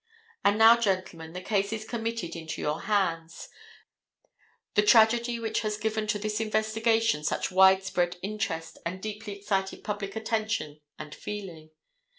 And now, gentlemen, the case is committed into your hands, the tragedy which has given to this investigation such widespread interest and deeply excited public attention and feeling.